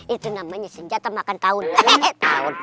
itu namanya senjata makan tahun